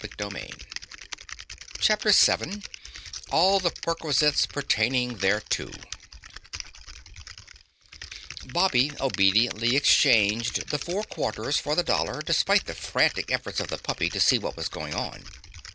CHAPTER VII ALL THE PERQUISITES PERTAINING THERETO Bobby obediently exchanged the four quarters for the dollar despite the frantic efforts of the puppy to see what was going on.